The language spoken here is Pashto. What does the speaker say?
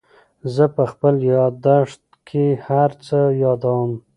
زه په خپل یادښت کې هر څه یادوم.